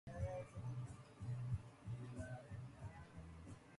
Then the gas is sent to a compressor station and into natural gas pipelines.